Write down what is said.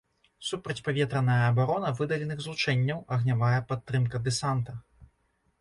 Супрацьпаветраная абарона выдаленых злучэнняў, агнявая падтрымка дэсанта.